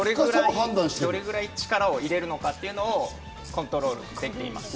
どれくらい力を入れるのかというのをコントロールできています。